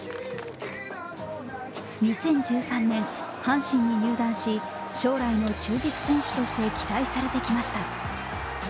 ２０１３年、阪神に入団し将来の中軸選手として期待されてきました。